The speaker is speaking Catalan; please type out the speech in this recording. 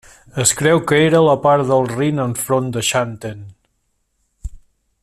Es creu que era a la part del Rin enfront de Xanten.